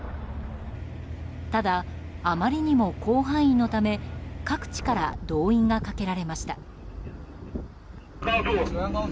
ただ、あまりにも広範囲のため各地から動員がかけられました。